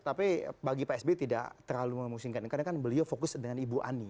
tapi bagi pak sby tidak terlalu memusingkan karena kan beliau fokus dengan ibu ani